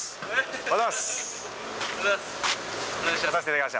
おはようございます。